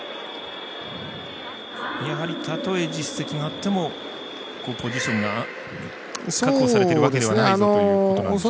やはりたとえ実績があってもポジションが確保されてるわけじゃないぞということなんでしょうか。